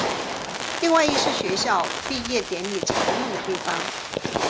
另外亦是学校毕业典礼常用的地方。